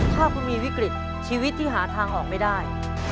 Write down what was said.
ถ้าคุณมีวิกฤตชีวิตที่หาทางออกไม่ได้